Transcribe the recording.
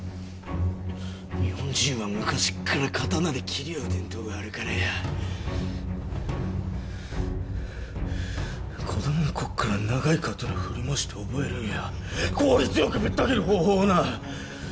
日本人は昔っから刀で斬り合う伝統があるからや子どもんこっから長い刀振り回して覚えるんや効率よくぶった斬る方法をな